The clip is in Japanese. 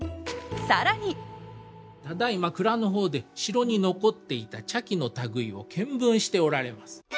更にただいま蔵の方で城に残っていた茶器の類いを見聞しておられます。